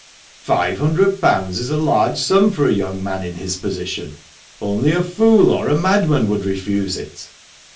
"five hundred pounds is a large sum for a young man in his position; only a fool or a madman would refuse it."